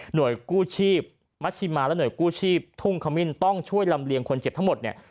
โดยกู้ชีพมัชชิมาและห่วยกู้ชีพทุ่งขมิ้นต้องช่วยลำเลียงคนเจ็บทั้งหมดเนี่ย